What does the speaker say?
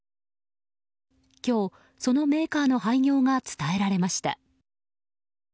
今日、そのメーカーの廃業が伝えられました。